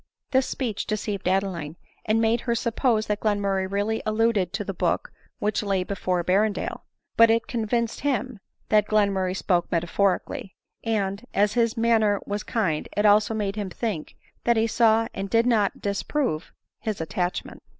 This speech deceived Adeline, and made her suppose that Glenmurray really alluded to the book which lay before Berrendale ; but it convinced him that Glen murray spoke metaphorically ; and, as his manner was kind, it also made him think that be saw and did not disapprove his attachment.